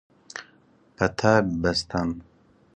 پته بستن